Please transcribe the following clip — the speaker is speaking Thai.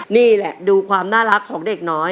นี่แหละดูความน่ารักของเด็กน้อย